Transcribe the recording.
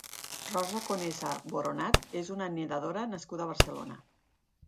Rosa Conesa Boronat és una nedadora nascuda a Barcelona.